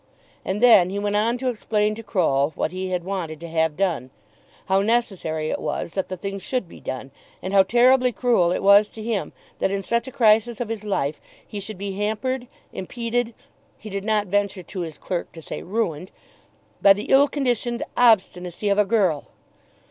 And then he went on to explain to Croll what he had wanted to have done, how necessary it was that the thing should be done, and how terribly cruel it was to him that in such a crisis of his life he should be hampered, impeded, he did not venture to his clerk to say ruined, by the ill conditioned obstinacy of a girl!